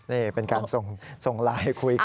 นี่เป็นการส่งไลน์คุยกัน